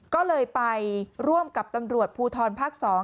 ก็เลยไปร่วมกับตำรวจภูทรภาค๒